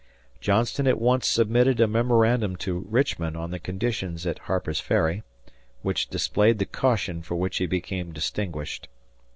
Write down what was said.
Johnston at once submitted a memorandum to Richmond on the conditions at Harper's Ferry, which displayed the caution for which he became distinguished.